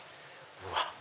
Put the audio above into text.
うわっ！